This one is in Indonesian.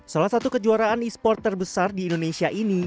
salah satu kejuaraan e sport terbesar di indonesia ini